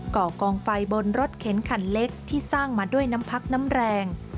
่อกองไฟบนรถเข็นคันเล็กที่สร้างมาด้วยน้ำพักน้ำแรง